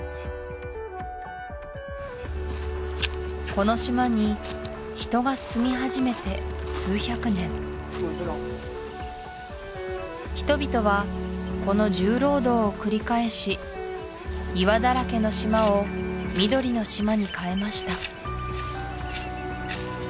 この島に人が住み始めて数百年人々はこの重労働を繰り返し岩だらけの島を緑の島に変えました